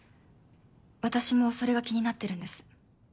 私もそれが気になってるんです。